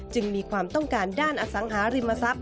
มีความต้องการด้านอสังหาริมทรัพย